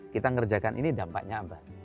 kita ngerjakan ini dampaknya apa